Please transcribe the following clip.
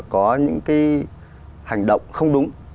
có những cái hành động không đúng